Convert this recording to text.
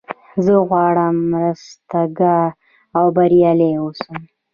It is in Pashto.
زه غواړم رستګار او بریالی اوسم.